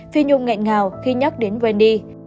phi nhung nghẹn ngào khi nhắc đến wendy